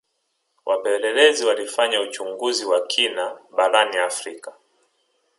wapelelezi walifanya uchunguzi wa kina barani afrika